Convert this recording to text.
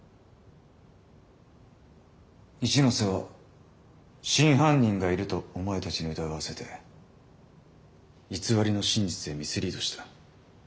一ノ瀬は真犯人がいるとお前たちに疑わせて偽りの真実へミスリードした。